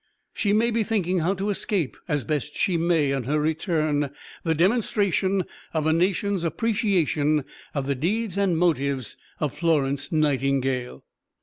She may be thinking how to escape, as best she may, on her return, the demonstration of a nation's appreciation of the deeds and motives of Florence Nightingale."